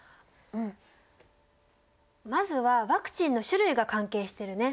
まずはワクチンの種類が関係してるね。